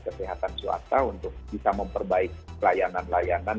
kesehatan suasana untuk bisa memperbaiki pelayanan pelayanan